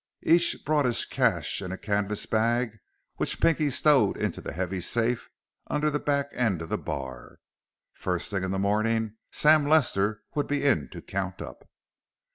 Each brought his cash in a canvas bag, which Pinky stowed into the heavy safe under the back end of the bar. First thing in the morning, Sam Lester would be in to count up.